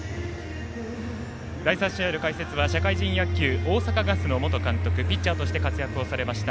第３試合の解説は社会人野球大阪ガスの元監督ピッチャーとして活躍をされました